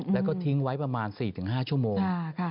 แล้วก็ทิ้งไว้ประมาณ๔๕ชั่วโมง